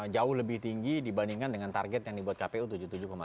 jauh lebih tinggi dibandingkan dengan target yang dibuat kpu tujuh puluh tujuh dua